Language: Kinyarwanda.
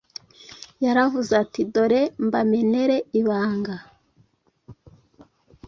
yaravuze ati: “dore mbamenere ibanga: